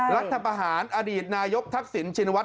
รัฐพาหารอดีตนายกทักศิลป์ชินวัฒน์